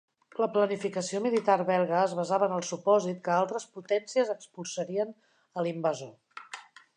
La planificació militar belga es basava en el supòsit que altres potències expulsarien a l'invasor.